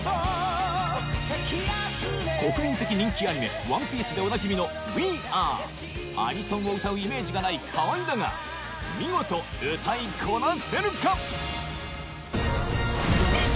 国民的人気アニメ『ＯＮＥＰＩＥＣＥ』でおなじみのアニソンを歌うイメージがない河合だが見事歌いこなせるか『熱唱！